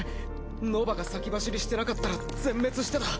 ノヴァが先走りしてなかったら全滅してた。